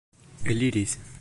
eliris